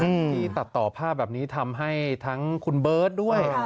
ที่ตัดต่อภาพแบบนี้ทำให้ทั้งคุณเบิร์ตด้วย